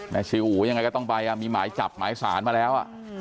ชื่ออู๋ยังไงก็ต้องไปมีหมายจับหมายสารมาแล้ว